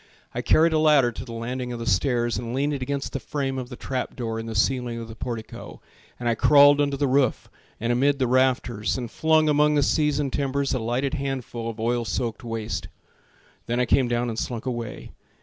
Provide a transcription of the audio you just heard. I carried a ladder to the landing of the stairs And leaned it against the frame of the trap door In the ceiling of the portico, And I crawled under the roof and amid the rafters And flung among the seasoned timbers A lighted handful of oil soaked waste. Then I came down and slunk away.